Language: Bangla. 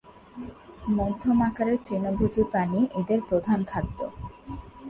মধ্যম আকারের তৃণভোজী প্রাণী এদের প্রধান খাদ্য।